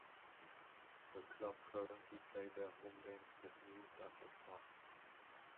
The club currently play their home games at New Douglas Park.